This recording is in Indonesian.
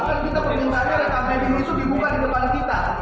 kan kita permintaan rekam medisnya dibuka di depan kita